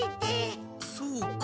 そうか。